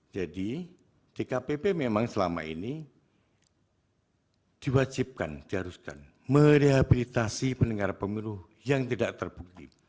jadi di kpp memang selama ini diwajibkan diharuskan merehabilitasi pendengar pemiru yang tidak terbukti